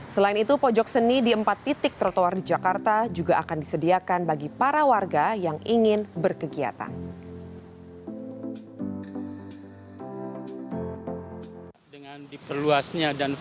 selain itu pojok seni di empat titik trotoar di jakarta juga akan disediakan bagi para warga yang ingin berkegiatan